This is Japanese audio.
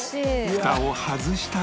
フタを外したら